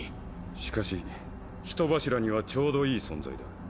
しかし人柱にはちょうどいい存在だ。